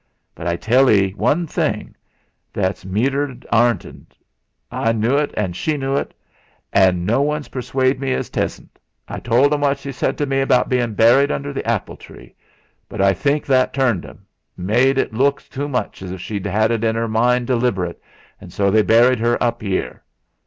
But I tell 'ee one thing that meadder's 'arnted; I knu et, an' she knu et; an' no one'll persuade me as 'tesn't. I told 'em what she said to me 'bout bein' burried under th' apple tree. But I think that turned '.m made et luke to much 's ef she'd 'ad it in 'er mind deliberate; an' so they burried 'er up 'ere.